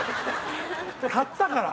買ったから！